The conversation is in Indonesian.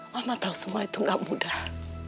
mama tau semua itu gak mudah